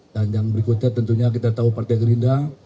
dan yang berikutnya tentunya kita tahu partai gerinda